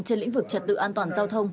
trên lĩnh vực trật tự an toàn giao thông